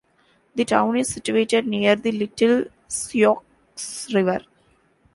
The town is situated near the Little Sioux River.